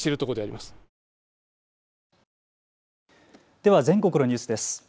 では全国のニュースです。